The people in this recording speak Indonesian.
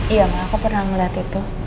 iya mah aku pernah ngeliat itu